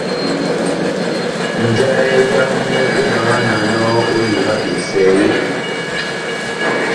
Njahɛ yamu emahananɔ ó iha besɛ eeeh ?